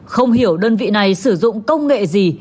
không hiểu đơn vị này sử dụng công nghệ gì